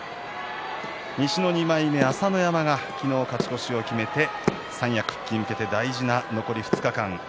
西の２枚目朝乃山が昨日、勝ち越しを決めて三役復帰に向けて大事な残り２日間。